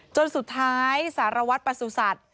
จนสุดท้ายสารวัตรประสุทธิ์